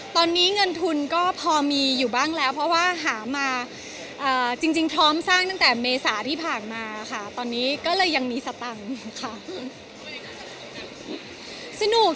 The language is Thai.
ตอนนี้เงินทุนก็พอมีอยู่บ้างแล้วเพราะว่าหามาจริงพร้อมสร้างตั้งแต่เมษาที่ผ่านมาค่ะตอนนี้ก็เลยยังมีสตังค์ค่ะ